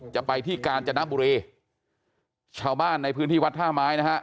จะไปที่กาญจนบุรีชาวบ้านในพื้นที่วัดท่าไม้นะฮะ